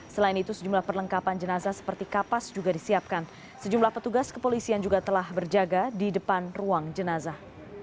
selain itu sejumlah perlengkapan jenazah seperti kapas juga disiapkan sejumlah petugas kepolisian juga telah berjaga di depan ruang jenazah